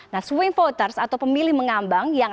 nah swing voters atau pemilih mengambang